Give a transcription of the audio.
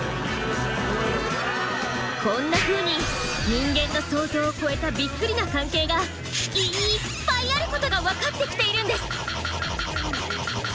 こんなふうに人間の想像を超えたびっくりな関係がいっぱいあることが分かってきているんです！